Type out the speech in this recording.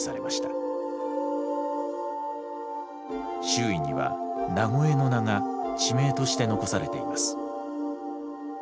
周囲には名越の名が地名として残されています。